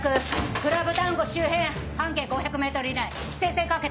クラブ・タンゴ周辺半径５００ｍ以内規制線かけて。